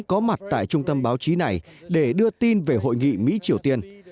có mặt tại trung tâm báo chí này để đưa tin về hội nghị mỹ triều tiên